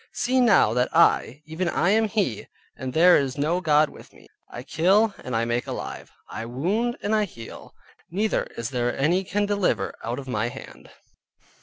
See now that I, even I am he, and there is no god with me, I kill and I make alive, I wound and I heal, neither is there any can deliver out of my hand.